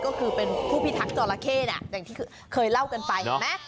ก็คือเป็นผู้พิทักษ์จอราเข้อย่างที่เคยเล่ากันไปเห็นไหม